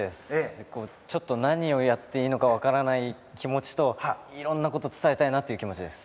何をやっていいのか分からない気持ちといろんなことを伝えたいなって気持ちです。